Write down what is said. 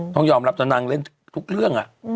ต้องยอมรับนะนางเล่นทุกเรื่อง